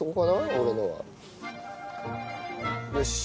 俺のは。よし！